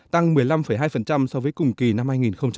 tăng một mươi năm hai so với cùng kỳ năm hai nghìn một mươi tám